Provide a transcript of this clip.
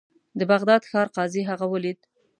د بغداد ښار قاضي هغه ولید.